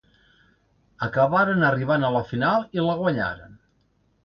Acabaren arribant a la final, i la guanyaren.